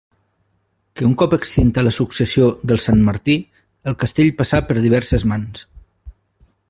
Que un cop extinta la successió dels Santmartí el castell passà per diverses mans.